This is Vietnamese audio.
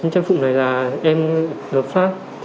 trang phụ này là em được phát